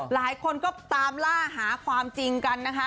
หลายคนก็ตามล่าหาความจริงกันนะคะ